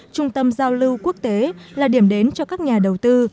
trung tâm giao lưu quốc tế là điểm đến cho các nhà đầu tư